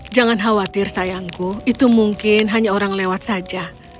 jangan khawatir sayangku itu mungkin hanya orang lewat saja